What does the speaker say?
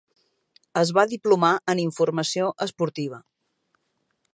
Es va diplomar en informació esportiva.